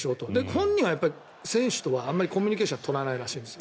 本人は選手とはあまりコミュニケーションは取らないらしいです。